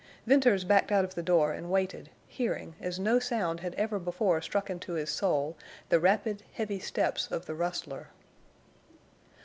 Venters backed out of the door and waited, hearing, as no sound had ever before struck into his soul, the rapid, heavy steps of the rustler.